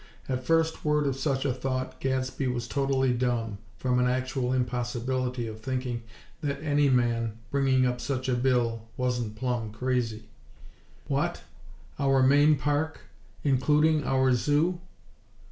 At first word of such a thought, Gadsby was totally dumb, from an actual impossibility of thinking that any man, bringing up such a bill, wasn't plumb crazy! "What! Our main Park; including our Zoo?"